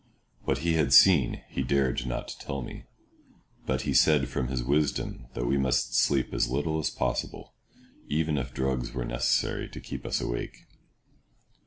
What he had seen, he dared not tell me; but he said from his wisdom that we must sleep as little as possible, even if drugs were necessary to keep us awake.